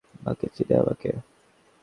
বাকে, চিনে আমাকে।